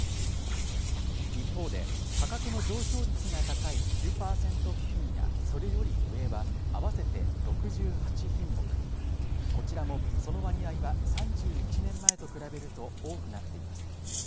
一方で価格の上昇率が高い９％付近やそれより上は合わせて６８品目、こちらもその割合は３１年前と比べると多くなっています。